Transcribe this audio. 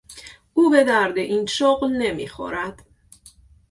او به درد این شغل نمیخورد.